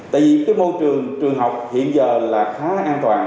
tại vì cái môi trường trường học hiện giờ là khá là an toàn